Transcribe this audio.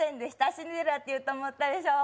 シンデレラって言うと思ったでしょ？